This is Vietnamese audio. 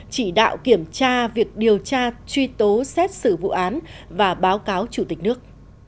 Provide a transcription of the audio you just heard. chỉ đạo kiểm tra việc điều tra truy tố xét xử vụ án và báo cáo chủ tịch nước